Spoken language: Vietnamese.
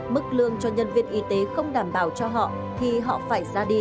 mức lương cho nhân viên y tế không đảm bảo cho họ thì họ phải ra đi đó là quy luật